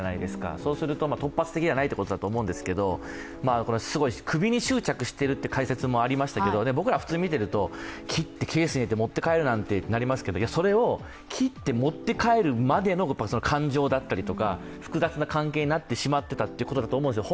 そうすると、突発的じゃないということだと思うんですけど、首に執着しているという解説もありましたけど僕ら普通に見てますけど切って持って帰るなんてとなりますけれども、それを切って持って帰るまでの感情だったり、複雑な関係になってしまってたということなんだと思うんですよ